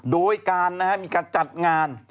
โดยการมีการจัดงาน